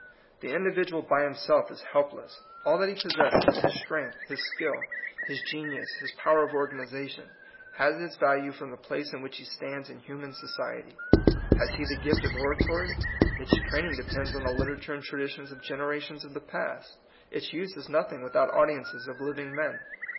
The individual by himself is helpless. All that he possesses — his strength, his skill, 152 THE COMING PEOPLE. his geuius, his power of organization — has its value from the place in which he stands in human society. Has he the gift of oratory ? Its training depends on the liter ature and traditions of generations of the past. Its use is nothing without audiences of living men.